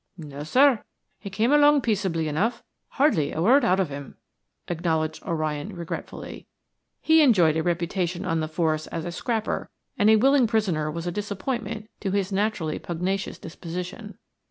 "No, sir; he came along peaceably enough, hardly a word out of him," acknowledged O'Ryan regretfully. He enjoyed a reputation on the force as a "scrapper," and a willing prisoner was a disappointment to his naturally pugnacious disposition.